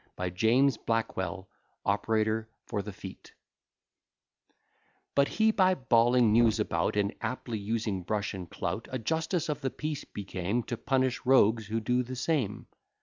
BY JAMES BLACK WELL, OPERATOR FOR THE FEET But he by bawling news about, And aptly using brush and clout, A justice of the peace became, To punish rogues who do the same.